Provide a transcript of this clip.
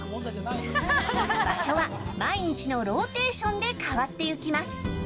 場所は、毎日のローテーションで変わっていきます。